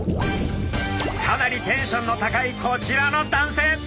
かなりテンションの高いこちらの男性。